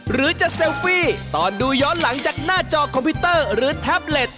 หรือจะเซลฟี่ตอนดูย้อนหลังจากหน้าจอคอมพิวเตอร์หรือแท็บเล็ต